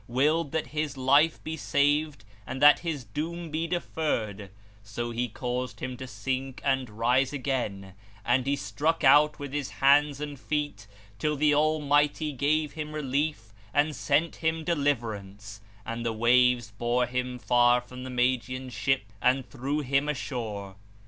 willed that his life be saved and that his doom be deferred; so He caused him to sink and rise again and he struck out with his hands and feet, till the Almighty gave him relief, and sent him deliverance; and the waves bore him far from the Magian's ship and threw him ashore.